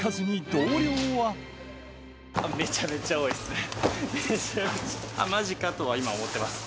めちゃめちゃ多いですね。